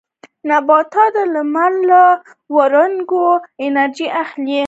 نباتات د لمر له وړانګو انرژي اخلي